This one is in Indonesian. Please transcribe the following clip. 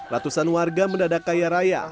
ratusan warga mendadak kaya raya